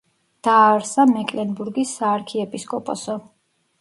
დააარსა მეკლენბურგის საარქიეპისკოპოსო.